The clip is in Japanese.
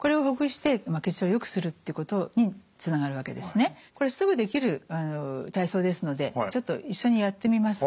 頭支えているこれすぐできる体操ですのでちょっと一緒にやってみますか。